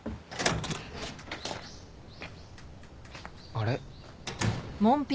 ・あれ？